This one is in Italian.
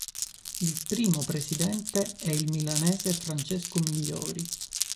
Il primo presidente è il milanese Francesco Migliori.